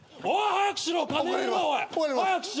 早くしろ！